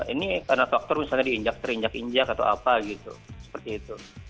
ini karena faktor misalnya diinjak terinjak injak atau apa gitu seperti itu